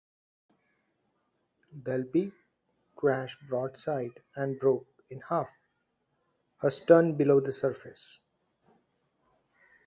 "Delphy" crashed broadside and broke in half, her stern below the surface.